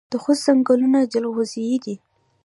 د خوست ځنګلونه جلغوزي دي